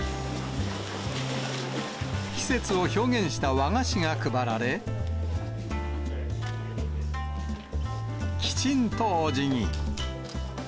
季節を表現した和菓子が配られ、きちんとおじぎ。